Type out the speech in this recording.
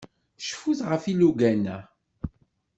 Cfut ɣef yilugan-a.